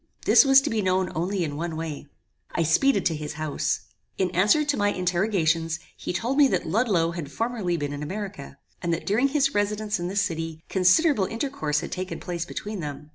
This was to be known only in one way. I speeded to his house. In answer to my interrogations, he told me that Ludloe had formerly been in America, and that during his residence in this city, considerable intercourse had taken place between them.